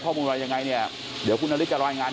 ข้อมูลอะไรยังไงเนี่ยเดี๋ยวคุณนฤทธจะรายงาน